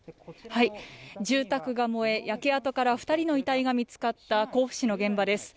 住宅が燃え、焼け跡から２人の遺体が見つかった甲府市の現場です。